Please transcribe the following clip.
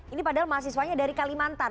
ini padahal mahasiswanya dari kalimantan